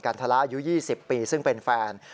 ทละอายุ๒๐ปีซึ่งเป็นแฟน